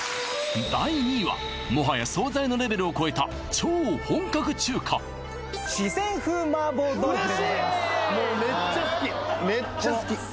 第２位はもはや惣菜のレベルを超えた超本格中華めっちゃ好き好き！